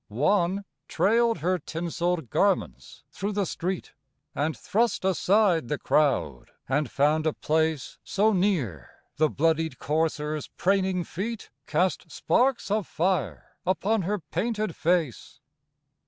One trailed her tinseled garments through the street, And thrust aside the crowd, and found a place So near, the blooded courser's praning feet Cast sparks of fire upon her painted face.